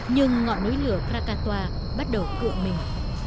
nhưng ngọn núi lửa krakatoa bắt đầu cựu mình